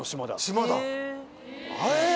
島だえっ！